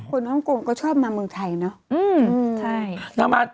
ฮ่องกงก็ชอบมาเมืองไทยเนอะ